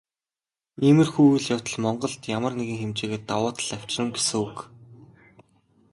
Иймэрхүү үйл явдал Монголд ямар нэгэн хэмжээгээр давуу тал авчирна гэсэн үг.